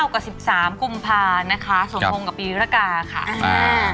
๙กับ๑๓กุมภานะคะส่งพงษ์กับปีฤกาค่ะ